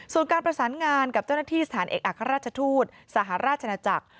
ส่วนการประสานงานกับเจ้าหน้าที่สถานเอกอัครราชทูตสหราชนาจักร